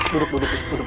duduk duduk duduk